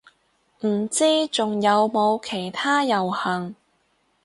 唔知仲有冇其他遊行